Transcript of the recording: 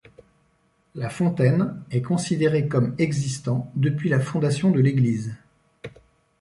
La fontaine est considérée comme existant depuis la fondation de l'église.